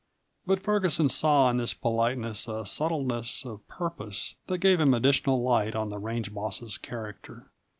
But Ferguson saw in this politeness a subtleness of purpose that gave him additional light on the range boss's character.